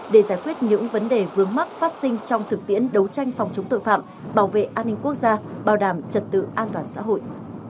để giải quyết những vấn đề vướng mắc phát sinh trong thực tiễn đấu tranh phòng chống tội phạm bảo vệ an ninh quốc gia bảo đảm trật tự an toàn xã hội